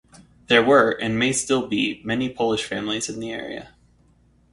There were, and may still be, many Polish families in the area.